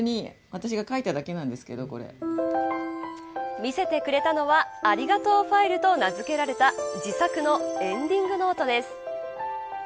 見せてくれたのはありがとうファイルと名付けられた自作のエンディングノートです。